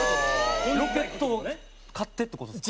ロケットを買ってって事ですか？